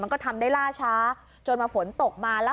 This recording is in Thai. มันก็ทำได้ล่าช้าจนมาฝนตกมา